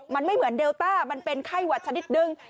มันไม่เหมือนเดลต้ามันเป็นไข้หวัดชนิดนึง